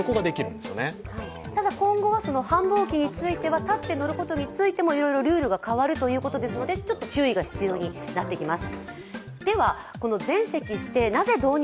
ただ今後は、繁忙期については立って乗ることについてもいろいろルールが変わるということですのでちょっと注意が必要になってきます。